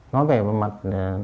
nói về mặt